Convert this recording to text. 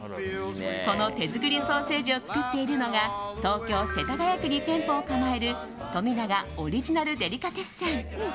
この手作りソーセージを作っているのが東京・世田谷区に店舗を構える冨永オリジナルデリカテッセン。